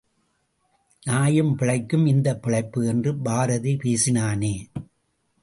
நாயும் பிழைக்கும் இந்தப் பிழைப்பு, என்று பாரதி பேசினானே!